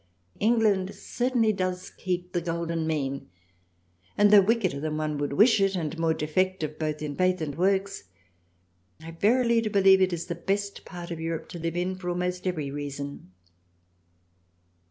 England certainly does keep the Golden Mean and though wickeder than one would wish it and more defective both in Faith and Works I verily do believe it is the best part of Europe to live in for almost every reason.